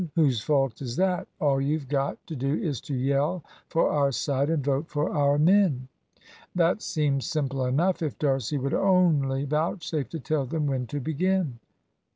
Whose fault is that? All you've got to do is to yell for our side and vote for our men." That seemed simple enough, if D'Arcy would only vouchsafe to tell them when to begin.